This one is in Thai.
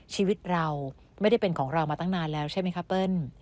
ชีวิตเราไม่ได้เป็นของเรามาตั้งนานแล้วใช่ไหมคะเปิ้ล